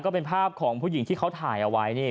ก็เป็นภาพของผู้หญิงที่เขาถ่ายเอาไว้นี่